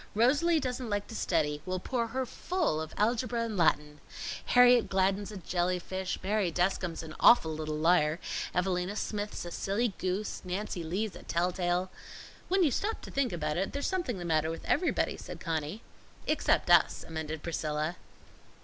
Rosalie doesn't like to study. We'll pour her full of algebra and Latin. Harriet Gladden's a jelly fish, Mary Deskam's an awful little liar, Evalina Smith's a silly goose, Nancy Lee's a telltale " "When you stop to think about it, there's something the matter with everybody," said Conny. "Except us," amended Priscilla.